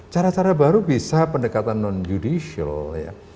cara cara baru bisa pendekatan non judicial ya